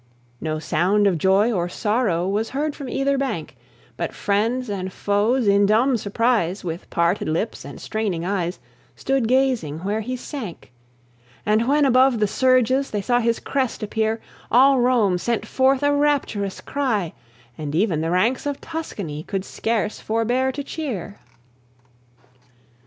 No sound of joy or sorrow Was heard from either bank; But friends and foes in dumb surprise, With parted lips and straining eyes, Stood gazing where he sank; And when above the surges They saw his crest appear, All Rome sent forth a rapturous cry, And even the ranks of Tuscany Could scarce forbear to cheer.